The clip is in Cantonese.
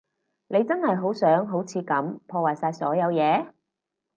你真係想好似噉破壞晒所有嘢？